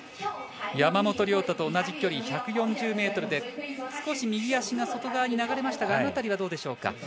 山本涼太と同じ距離１４０ｍで少し右足が外側に流れましたがあの辺りはどうでしょうか。